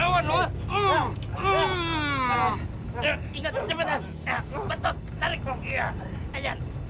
wah kemana lu hah